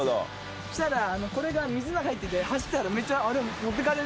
そしたらこれが水の中入ってて走ったらめっちゃあれ？